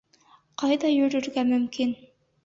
Ҡайҙа йөрөргә мөмкин?..